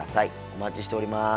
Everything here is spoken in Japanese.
お待ちしております。